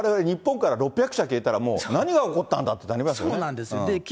日本から６００社消えたら、もう何が起こったんだってなりますよね。